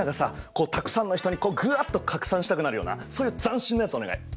こうたくさんの人にグワッと拡散したくなるようなそういう斬新なやつお願い！